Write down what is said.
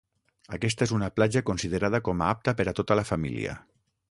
Aquesta és una platja considerada com a apta per a tota la família.